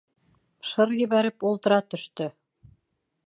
Шыр ебәреп, ултыра төштө.